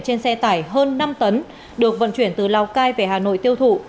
trên xe tải hơn năm tấn được vận chuyển từ lào cai về hà nội tiêu thụ